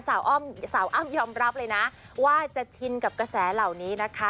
สาวอ้ำยอมรับเลยนะว่าจะชินกับกระแสเหล่านี้นะคะ